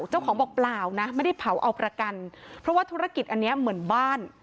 เจ้าของบอกเปล่านะไม่ได้เผาเอาประกันเพราะว่าธุรกิจอันนี้เหมือนบ้าน